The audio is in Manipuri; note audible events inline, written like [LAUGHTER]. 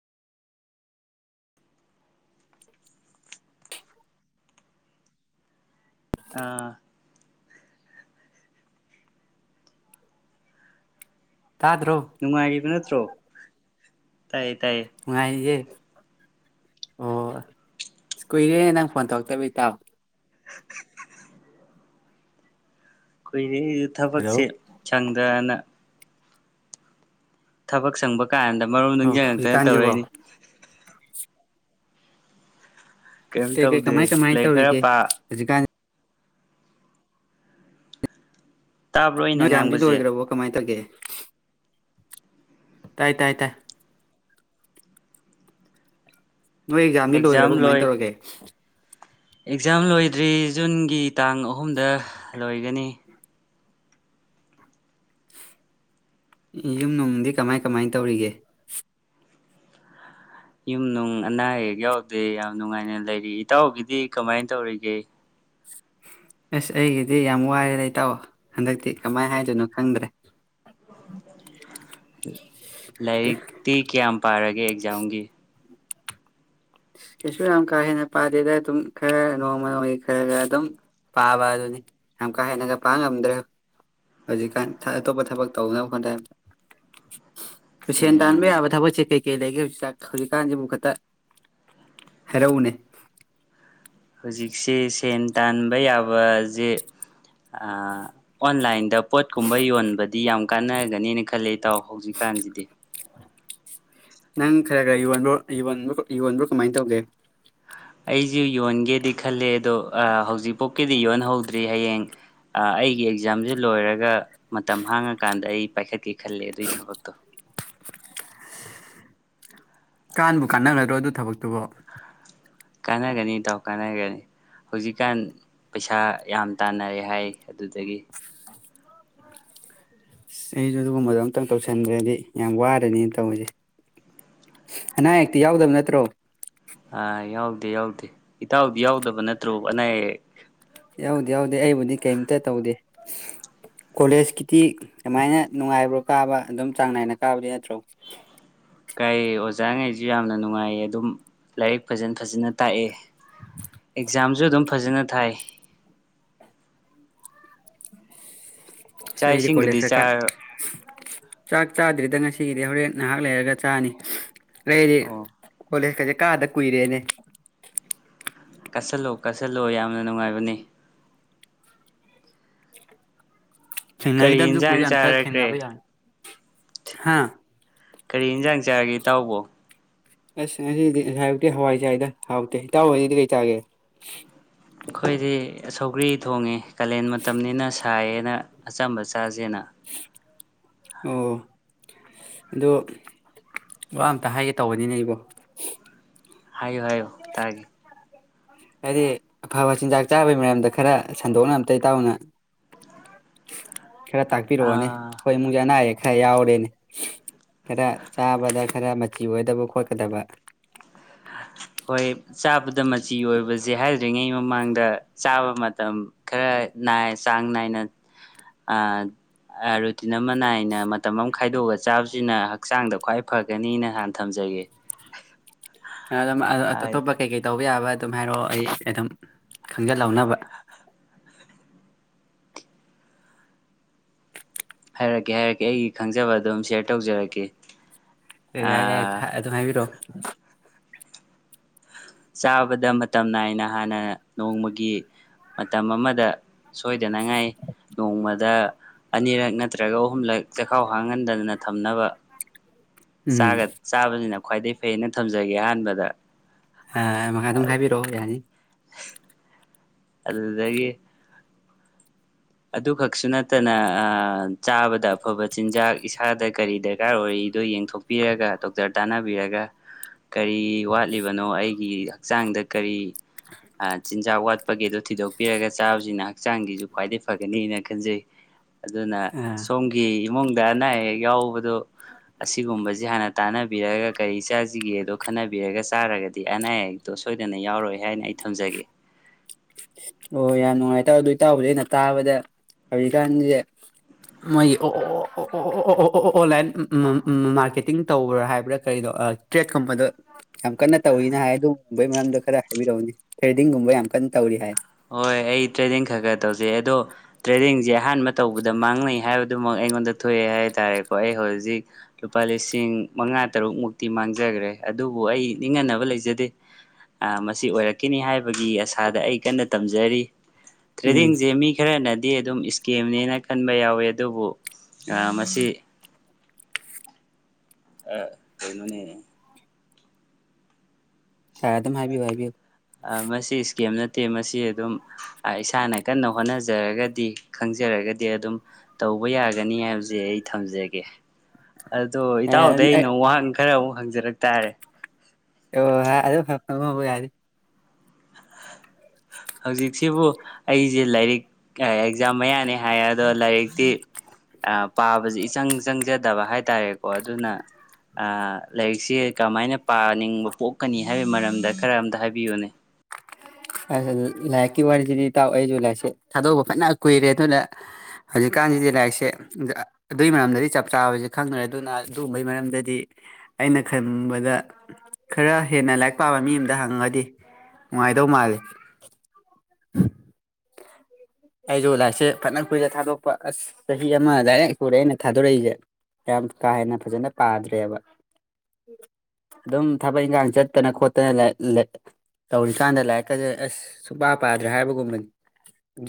[INAUDIBLE] ꯑꯥ ꯇꯥꯗ꯭ꯔꯣ ꯅꯨꯡꯉꯥꯏꯔꯤꯕ ꯅꯥꯠ ꯭ꯔꯣ ꯅꯨꯡꯉꯥꯏ ꯔꯤꯌꯦ ꯑꯣ ꯀꯨꯏꯔꯦ ꯅꯪ ꯐꯣꯟ ꯇꯧꯔꯛꯇꯕ ꯏꯇꯥꯎ ꯀꯨꯏ ꯑꯩ ꯍꯜꯂꯣ ꯊꯕꯛꯁꯦ ꯁꯪꯗꯗꯅ ꯊꯕꯛ ꯁꯪꯕ ꯀꯥꯟꯗ ꯃꯔꯨꯝ ꯑꯣ ꯅꯨꯡꯁꯤꯡꯉꯛꯇꯅ ꯍꯧꯖꯤꯛꯀꯥꯟꯁꯤꯕꯣ ꯇꯧꯔꯛꯏꯅꯤ ꯀꯩꯝ ꯀꯩ ꯀꯩ ꯀꯃꯥꯏ ꯇꯧꯗꯦ ꯀꯃꯥꯏꯅ ꯂꯥꯏꯔꯤꯛ ꯈꯔ ꯇꯧꯔꯤꯒꯦ ꯄꯥ ꯍꯧꯖꯤꯛꯀꯥꯟ ꯖꯤꯕꯣ ꯇꯥꯕ꯭ꯔꯣ ꯑꯩꯅ ꯅꯣꯏ [UNINTELLIGIBLE] ꯉꯥꯡꯕꯁꯦ ꯂꯣꯏꯈ꯭ꯔꯕꯣ ꯀꯃꯥꯏꯅ ꯇꯧꯒꯦ ꯇꯥꯏ ꯇꯥꯏ ꯇꯥꯏ ꯅꯣꯏ ꯑꯦꯛꯖꯥꯝꯗꯤ ꯑꯦꯛꯖꯥꯝ ꯂꯣꯏꯈ꯭ꯔꯕꯣ ꯀꯃꯥꯏꯅ ꯂꯣꯏ ꯇꯧꯔꯒꯦ ꯑꯦꯛꯖꯥꯝ ꯂꯣꯏꯗ꯭ꯔꯤ ꯖꯨꯟꯒꯤ ꯇꯥꯡ ꯑꯍꯨꯝꯗ ꯂꯣꯏꯒꯅꯤ ꯌꯨꯝ ꯅꯨꯡꯗꯤ ꯀꯃꯥꯏ ꯀꯃꯥꯏ ꯇꯧꯔꯤꯒꯦ ꯌꯨꯝꯅꯨꯡ ꯑꯅꯥ ꯑꯌꯦꯛ ꯌꯥꯎꯗꯦ ꯌꯥꯝ ꯅꯨꯡꯉꯥꯏꯅ ꯂꯩꯔꯤ ꯏꯇꯥꯎꯒꯤꯗꯤ ꯀꯃꯥꯏꯅ ꯇꯧꯔꯤꯒꯦ ꯑꯁ ꯑꯩꯒꯤꯗꯤ ꯌꯥꯝ ꯋꯥꯏꯔꯦꯗꯥ ꯏꯇꯧ ꯍꯟꯗꯛꯇꯤ ꯀꯃꯥꯏꯅ ꯍꯥꯏꯗꯣꯏꯅꯣ ꯈꯪꯗ꯭ꯔꯦ ꯂꯥꯏꯔꯤꯛꯇꯤ ꯀꯌꯥꯝ ꯄꯥꯔꯒꯦ ꯑꯦꯛꯖꯥꯝꯒꯤ ꯀꯁꯨ ꯌꯥꯝ ꯀꯥ ꯍꯦꯟꯅ ꯄꯥꯗꯦꯗ ꯑꯗꯨꯝ ꯈꯔ ꯅꯣꯡꯃ ꯅꯣꯡꯃꯒꯤ ꯈꯔ ꯈꯔ ꯑꯗꯨꯝ ꯄꯥꯕ ꯑꯗꯨꯅꯤ ꯌꯥꯝ ꯀꯥ ꯍꯦꯟꯅꯒ ꯄꯥꯕ ꯉꯝꯗ꯭ꯔꯦ ꯍꯧꯖꯤꯛꯀꯥꯟ ꯑꯇꯣꯞꯄ ꯊꯕꯛ ꯇꯧꯅꯕ ꯍꯣꯠꯅ ꯕꯗꯥ ꯁꯦꯟ ꯇꯥꯟꯕ ꯎꯝ ꯊꯥꯕꯁꯤ ꯊꯕꯛꯁꯤ ꯀꯩ ꯀꯩ ꯂꯩꯒꯦ ꯍꯧꯖꯤꯛ ꯍꯧꯖꯤꯛꯀꯥꯟꯁꯤꯕꯨ ꯈꯤꯇ ꯍꯥꯏꯔꯛꯎꯅꯦ ꯍꯧꯖꯤꯛꯁꯦ ꯁꯦꯟ ꯇꯥꯟꯕ ꯌꯥꯕꯖꯦ ꯑꯣꯟꯂꯥꯏꯟꯗ ꯄꯣꯠꯀꯨꯝꯕ ꯌꯣꯟꯕꯗꯤ ꯌꯥꯝ ꯀꯥꯟꯅꯒꯅꯤꯅ ꯈꯜꯂꯦ ꯏꯇꯥꯎ ꯍꯧꯖꯤꯛꯀꯥꯟꯁꯤꯗꯤ ꯅꯪ ꯈꯔ ꯈꯔ ꯌꯣꯟꯕꯣ ꯌ ꯌꯣꯟꯕ꯭ꯔꯣ ꯀꯃꯥꯏꯅ ꯇꯧꯒꯦ ꯑꯩꯁꯨ ꯌꯣꯟꯒꯦꯗꯤ ꯈꯜꯂꯦ ꯑꯗꯣ ꯍꯧꯖꯤꯛ ꯄꯨꯛꯀꯤꯗꯤ ꯌꯣꯟ ꯍꯧꯗ꯭ꯔꯤ ꯍꯌꯦꯡ ꯑꯩꯒꯤ ꯑꯦꯛꯖꯥꯝꯁꯦ ꯂꯣꯏꯔꯒ ꯃꯇꯝ ꯍꯥꯡꯉꯀꯥꯟꯗ ꯑꯩ ꯄꯥꯏꯈꯠꯀꯦ ꯈꯜꯂꯦ ꯑꯗꯨꯒꯤ ꯊꯕꯛꯇꯣ ꯀꯥꯟꯕꯨ ꯀꯥꯟꯅꯒꯗ꯭ꯔꯣ ꯑꯗꯨ ꯊꯕꯛꯇꯨꯕꯣ ꯀꯥꯟꯅꯒꯅꯤ ꯏ ꯇꯥꯎ ꯀꯥꯟꯅꯒꯅꯤ ꯍꯧꯖꯤꯛꯀꯥꯟ ꯄꯩꯁꯥ ꯌꯥꯝ ꯇꯥꯟꯅꯔꯦ ꯍꯥꯏ ꯑꯗꯨꯗꯒꯤ ꯑꯩꯁꯨ ꯑꯗꯨꯒꯨꯝꯕꯗꯣ ꯑꯝꯇꯪ ꯇꯧꯁꯟꯗ꯭ꯔꯗꯤ ꯌꯥꯝ ꯋꯥꯔꯅꯤꯅ ꯇꯧꯔꯤꯁꯦ ꯑꯅꯥ ꯑꯌꯦꯛꯇꯤ ꯌꯥꯎꯗꯕ ꯅꯠꯇ꯭ꯔꯣ ꯑ ꯌꯥꯎ ꯌꯥꯎꯗꯦ ꯏꯇꯥꯎꯗꯤ ꯌꯥꯎꯗꯕ ꯅꯠꯇ꯭ꯔꯣ ꯑꯅꯥ ꯑꯌꯦꯛ ꯌꯥꯗꯤ ꯍꯧꯗꯗꯤ ꯑꯩꯕꯨꯗꯤ ꯀꯔꯤꯝꯇ ꯇꯧꯗꯦ ꯀꯣꯂꯦꯖꯀꯤꯗꯤ ꯀꯃꯥꯏꯅ ꯅꯨꯡꯉꯥꯏꯕ꯭ꯔꯣ ꯀꯥꯕ ꯑꯗꯨꯝ ꯆꯥꯡ ꯅꯥꯏꯅ ꯀꯥꯕꯗꯤ ꯅꯠꯇ꯭ꯔꯣ ꯀꯩ ꯑꯣꯖꯥꯉꯩꯁꯨ ꯌꯥꯝꯅ ꯅꯨꯡꯉꯥꯏꯌꯦ ꯑꯗꯨꯝ ꯂꯥꯏꯔꯤꯛ ꯐꯖꯅ ꯐꯖꯅ ꯇꯥꯛꯑꯦ ꯑꯦꯛꯖꯝ ꯖꯨ ꯑꯗꯨꯝ ꯐꯖꯅ ꯊꯥꯏ ꯑꯁꯤ [INAUDIBLE] ꯆꯥ ꯏꯁꯤꯡꯒꯗꯤ ꯆꯥ ꯆꯥꯛ ꯆꯥꯗ꯭ꯔꯤꯗ ꯉꯁꯤꯒꯤꯗꯤ ꯍꯣꯔꯦꯟ ꯅꯍꯥꯛ ꯂꯩꯔꯒ ꯆꯥꯅꯤ ꯑꯩꯗꯤ ꯑꯣ ꯀꯣꯂꯦꯁ ꯀꯖꯦ ꯀꯥꯗ ꯀꯨꯏꯔꯦꯅꯦ ꯀꯠꯁꯤꯜꯂꯣ ꯀꯠꯁꯤꯜꯂꯣ ꯌꯥꯝꯅ ꯅꯨꯡꯉꯥꯏꯕꯅꯤ ꯀꯔꯤ ꯊꯦꯡꯅꯈꯤꯗꯕꯁꯨ ꯌꯦꯟꯁꯥꯡ ꯀꯨꯏꯔꯦ ꯑꯝꯇ ꯊꯦꯡꯅꯕ ꯆꯥꯔꯒꯦ ꯌꯥꯏ ꯍꯥꯥ ꯀꯔꯤ ꯏꯟꯖꯥꯡ ꯖꯔꯒꯦ ꯏꯇꯥꯎꯕꯣ ꯑꯁ ꯉꯁꯤꯗꯤ ꯉꯁꯥꯎꯇꯤ ꯍꯋꯥꯏ ꯆꯥꯏꯗ ꯍꯥꯎꯇꯦ ꯍꯇꯥꯎ ꯈꯣꯏꯗꯤ ꯀꯩ ꯆꯥꯒꯦ ꯑꯩꯈꯣꯏꯗꯤ ꯁꯧꯒ꯭ꯔꯤ ꯊꯣꯡꯉꯦ ꯀꯥꯂꯦꯟ ꯃꯇꯝꯅꯤꯅ ꯁꯥꯏꯌꯦꯅ ꯑꯆꯝꯕ ꯆꯥꯁꯦꯅ ꯑꯣ ꯑꯗꯣ ꯋꯥ ꯑꯝꯇ ꯍꯥꯏꯒꯦ ꯇꯧꯕꯅꯤꯅꯦ ꯑꯩꯕꯣ ꯍꯥꯏꯌꯨ ꯍꯥꯏꯌꯨ ꯇꯥꯒꯦ ꯍꯥꯏꯗꯤ ꯑꯐꯕ ꯆꯤꯟꯖꯥꯛ ꯆꯥꯕꯒꯤ ꯃꯔꯝꯗ ꯈꯔ ꯁꯟꯗꯣꯛꯅ ꯑꯝꯇ ꯏꯇꯥꯎꯅ ꯈꯔ ꯇꯥꯛꯄꯤꯔꯛꯑꯣꯅꯦ ꯑꯥ ꯍꯣꯏ ꯏꯃꯨꯡꯖꯦ ꯑꯅꯥ ꯑꯌꯦꯛ ꯍꯔꯥ ꯌꯥꯎꯔꯦꯅꯦ ꯈꯔ ꯆꯥꯕꯗ ꯈꯔ ꯃꯆꯤ ꯑꯣꯏꯗꯕ ꯈꯣꯠꯀꯗꯕ ꯍꯣꯏ ꯆꯥꯕꯗ ꯃꯆꯤ ꯑꯣꯏꯕꯁꯦ ꯍꯥꯏꯗ꯭ꯔꯤꯉꯩ ꯃꯃꯥꯡꯗ ꯆꯥꯕ ꯃꯇꯝ ꯈꯔꯏ ꯆꯥꯡ ꯅꯥꯏꯅ ꯔꯨꯇꯤꯟ ꯑꯃ ꯅꯥꯏꯅ ꯃꯇꯝ ꯑꯃ ꯈꯥꯏꯗꯣꯛꯑꯒ ꯆꯥꯕꯁꯤꯅ ꯍꯛꯆꯥꯡꯗ ꯈ꯭ꯋꯥꯏ ꯐꯒꯅꯤꯅ ꯍꯥꯟꯅ ꯊꯝꯖꯒꯦ ꯑ ꯑꯥꯏ ꯇꯣ ꯀꯩ ꯀꯩ ꯇꯧ ꯇꯧꯕ ꯌꯥꯕ ꯑꯗꯨꯝ ꯍꯥꯏꯔꯛꯑꯣ ꯑꯩ ꯑꯗꯨꯝ ꯈꯪꯖꯤꯜꯍꯧꯅꯕ--꫰ ꯍꯥꯏꯔꯛꯀꯦ ꯍꯥꯏꯔꯛꯀꯦ ꯑꯩꯒꯤ ꯈꯪꯖꯕ ꯑꯗꯨꯝ ꯁꯦꯌꯔ ꯇꯧꯖꯔꯛꯀꯦ ꯑꯦ ꯌꯥꯏ ꯌꯥꯏꯦ ꯑꯥ ꯑꯗꯨꯝ ꯍꯥꯏꯕꯤꯔꯛꯑꯣ ꯆꯥꯕꯗ ꯃꯇꯝ ꯅꯥꯏꯅ ꯍꯥꯟꯅ ꯅꯣꯡꯃꯒꯤ ꯃꯇꯝ ꯑꯃꯗ ꯁꯣꯏꯗꯅꯉꯥꯏ ꯅꯣꯡꯃꯗ ꯑꯅꯤꯔꯛ ꯅꯠꯇ꯭ꯔꯒ ꯑꯍꯨꯝꯂꯛ ꯆꯈꯥꯎ ꯍꯥꯡꯍꯟꯗꯗꯅ ꯊꯝꯅꯕ ꯎꯝ ꯆꯥꯕ ꯆꯥꯕꯁꯤꯅ ꯈ꯭ꯋꯥꯏꯗꯩ ꯐꯩꯅ ꯊꯝꯖꯒꯦ ꯑꯍꯥꯟꯕꯗ ꯑ ꯃꯈ ꯑꯗꯨꯝ ꯍꯥꯏꯕꯤꯔꯛꯑꯣ ꯌꯥꯅꯤ ꯑꯗꯨꯗꯒꯤ ꯑꯗꯨꯈꯛꯁꯨ ꯅꯠꯇꯅ ꯆꯥꯕꯗ ꯑꯐꯕ ꯆꯤꯟꯖꯥꯛ ꯏꯁꯥꯗ ꯀꯔꯤ ꯗꯔꯀꯥꯔ ꯑꯣꯏꯔꯤꯗꯣ ꯌꯦꯡꯊꯣꯛꯄꯤꯔꯒ ꯗꯣꯛꯇꯔ ꯇꯥꯟꯅꯕꯤꯔꯒ ꯀꯔꯤ ꯋꯥꯠꯂꯤꯕꯅꯣ ꯑꯩꯒꯤ ꯍꯛꯆꯥꯡꯗ ꯀꯔꯤ ꯑ ꯆꯤꯟꯖꯥꯛ ꯋꯥꯠ ꯄꯥ ꯒꯦꯗꯣ ꯊꯤꯗꯣꯛꯄꯤꯔꯒ ꯆꯥꯕꯁꯤꯅ ꯍꯛ ꯆꯥꯡꯒꯤꯁꯨ ꯈ꯭ꯋꯥꯏꯗꯒꯤ ꯐꯒꯅꯤꯅ ꯈꯟꯖꯩ ꯑꯗꯨꯅ ꯑꯥ ꯁꯣꯝꯒꯤ ꯏꯃꯨꯡꯗ ꯑꯅꯥ ꯑꯌꯦꯛ ꯌꯥꯎꯕꯗꯣ ꯑꯁꯤꯒꯨꯝꯕꯕꯁꯤ ꯍꯥꯟꯅ ꯇꯥꯟꯅꯕꯤꯔꯒ ꯀꯔꯤ ꯆꯥꯁꯤꯒꯦꯗꯣ ꯈꯟꯅꯕꯤꯔꯒ ꯆꯥꯔꯒꯗꯤ ꯑꯅꯥ ꯑꯌꯦꯛꯛꯇꯣ ꯁꯣꯏꯗꯅ ꯌꯥꯎꯔꯏ ꯍꯥꯏꯅ ꯑꯩ ꯊꯝꯖꯒꯦ ꯑꯣ ꯌꯥꯝ ꯅꯨꯡꯉꯥꯏ ꯇꯥꯔꯦ ꯑꯗꯨ ꯑꯣꯏ ꯇꯥꯕꯗꯤ ꯑꯩꯅ ꯇꯥꯕꯗ ꯍꯧꯖꯤꯛꯀꯥꯟꯁꯦ ꯃꯣꯏꯒꯤ ꯑꯣ ꯑꯣꯟꯂꯥꯏꯟ ꯃꯥꯔꯀꯦꯇꯤꯡ ꯇꯧꯕ꯭ꯔꯥ ꯍꯥꯏꯕ꯭ꯔꯥ ꯀꯔꯤꯗꯣ ꯇ꯭ꯔꯦꯠꯀꯨꯝꯕꯗꯣ ꯌꯥꯝ ꯀꯟꯅ ꯇꯧꯋꯤꯅ ꯍꯥꯏ ꯑꯗꯨꯒꯨꯝꯕꯒꯤ ꯃꯔꯝꯗꯣ ꯈꯔ ꯍꯥꯏꯕꯤꯔꯛꯎꯅꯦ ꯊ꯭ꯔꯦꯗꯤꯡꯒꯨꯝꯕ ꯌꯥꯝ ꯀꯟꯅ ꯇꯧꯔꯤ ꯍꯥꯏ ꯍꯣꯏ ꯑꯩ ꯇ꯭ꯔꯦꯗꯤꯡ ꯈꯔ ꯈꯔ ꯇꯧꯖꯩ ꯑꯗꯣ ꯇ꯭ꯔꯦꯗꯤꯡꯁꯦ ꯑꯍꯥꯟꯕ ꯇꯧꯕꯗ ꯃꯥꯡꯅꯩ ꯍꯥꯏꯕꯗꯨꯃꯛ ꯑꯩꯉꯣꯟꯗ ꯊꯣꯛꯑꯦ ꯍꯥꯏ ꯇꯥꯔꯦꯀꯣ ꯑꯩ ꯍꯧꯖꯤꯛ ꯂꯨꯄꯥ ꯂꯤꯁꯤꯡ ꯃꯉꯥ ꯇꯔꯨꯛ ꯃꯨꯛꯇꯤ ꯃꯥꯡꯖꯈ꯭ꯔꯦ ꯑꯗꯨꯕꯨ ꯑꯩ ꯅꯤꯡꯍꯟꯅꯕ ꯂꯩꯖꯗꯦ ꯃꯁꯤ ꯑꯣꯏꯔꯛꯀꯅꯤ ꯍꯥꯏꯕꯒꯤ ꯑꯁꯥꯗ ꯑꯩ ꯀꯟꯅ ꯇꯝꯖꯔꯤ ꯎꯝ ꯇ꯭ꯔꯦꯗꯤꯡꯁꯦ ꯃꯤ ꯈꯔꯅ ꯗꯤ ꯑꯗꯨꯝ ꯏꯁꯀꯤꯝꯅꯦꯅ ꯈꯟꯕ ꯌꯥꯎꯋꯤ ꯑꯗꯨꯕꯨ ꯃꯁꯤ ꯑ ꯀꯩꯅꯣꯅꯦ ꯍ ꯑꯗꯨꯝ ꯍꯥꯏꯕꯤꯌꯨ ꯍꯥꯏꯕꯤꯌꯨ ꯃꯁꯤ ꯏꯁꯀꯦꯝ ꯅꯠꯇꯦ ꯃꯁꯤ ꯑꯗꯨꯝ ꯏꯁꯥꯅ ꯀꯟꯅ ꯍꯣꯠꯅꯖꯔꯒꯗꯤ ꯈꯪꯖꯔꯒꯗꯤ ꯑꯗꯨꯝ ꯇꯧꯕ ꯌꯥꯒꯅꯤ ꯍꯥꯏꯕꯁꯦ ꯑꯩ ꯊꯝꯖꯒꯦ ꯑꯗꯣ ꯏꯇꯥꯎꯗ ꯑꯩꯅ ꯋꯥꯍꯪ ꯈꯔ ꯃꯨꯛ ꯍꯪꯖꯔꯛ ꯇꯥꯔꯦ ꯑꯣ ꯑꯗꯨꯕ ꯍꯪꯉꯣ ꯍꯪꯉꯣ ꯌꯥꯅꯤ ꯍꯧꯖꯤꯛꯁꯤꯕꯨ ꯑꯩꯁꯦ ꯂꯥꯏꯔꯤꯛ ꯑꯦꯛꯖꯥꯝ ꯃꯌꯥꯅꯤ ꯍꯥꯏꯌꯦ ꯑꯗꯣ ꯂꯥꯏꯔꯤꯛꯇꯤ ꯑ ꯄꯥꯕꯁꯤ ꯏꯆꯪ ꯆꯪꯖ ꯐꯠꯇꯕ ꯍꯥꯏꯇꯥꯔꯦꯀꯣ ꯑꯗꯨꯅ ꯂꯥꯏꯔꯤꯛꯁꯦ ꯀꯃꯥꯏꯅ ꯄꯥꯅꯤꯡꯕ ꯄꯣꯛꯀꯅꯤ ꯍꯥꯏꯕꯒꯤ ꯃꯔꯝꯗ ꯈꯔ ꯑꯝꯇ ꯍꯥꯏꯕꯤꯌꯨꯅꯦ ꯑ ꯂꯥꯏꯔꯤꯛꯀꯤ ꯋꯥꯔꯤꯁꯤꯗꯤꯇꯥꯎ ꯑꯩꯁꯨ ꯂꯥꯏꯔꯤꯛꯁꯦ ꯊꯥꯗꯣꯛꯄ ꯐꯖꯅ ꯀꯨꯏꯔꯦ ꯑꯗꯨꯅ ꯍꯧꯖꯤꯛꯀꯥꯟꯁꯤꯗꯤ ꯂꯥꯏꯔꯤꯛꯁꯦ ꯑꯗꯨꯏ ꯃꯔꯝꯗꯗꯤ ꯆꯞ ꯆꯥꯁꯦ ꯈꯪꯗ꯭ꯔꯦ ꯑꯗꯨꯅ ꯑꯗꯨꯒꯨꯝꯕꯩ ꯃꯔꯝꯗꯗꯤ ꯑꯩꯅ ꯈꯟꯕꯗ ꯈꯔ ꯍꯦꯟꯅ ꯂꯥꯏꯔꯤꯛ ꯄꯥꯕ ꯃꯤ ꯑꯃꯗ ꯍꯪꯉꯒꯗꯤ ꯅꯨꯡꯉꯥꯏꯗꯧ ꯃꯥꯜꯂꯤ [INAUDIBLE] [INAUDIBLE] ꯑꯩꯁꯨ ꯂꯥꯏꯔꯤꯛꯁꯦ ꯐꯖꯅ ꯀꯨꯏꯔ ꯊꯥꯗꯣꯛꯄ ꯑꯁ ꯆꯍꯤ ꯑꯃ ꯂꯥꯏꯔꯤꯛ ꯀꯨꯔꯦ ꯑꯩꯅ ꯊꯥꯗꯣꯔꯛꯏꯁꯦ ꯌꯥꯝ ꯀꯥ ꯍꯦꯟꯅ ꯐꯖꯅ ꯄꯥꯗ꯭ꯔꯦꯕ ꯑꯗꯨꯝ ꯊꯕꯛ ꯏꯟꯈꯥꯡ ꯆꯠꯇꯅ ꯈꯣꯠꯇꯅ ꯇꯧꯔꯤꯀꯥꯟꯗ ꯂꯥꯏꯔꯤꯛꯀꯁꯦ ꯑꯁ ꯁꯨꯡꯄꯥ ꯄꯥꯗ꯭ꯔꯦ ꯍꯥꯏꯕꯒꯨꯝꯕꯅꯤ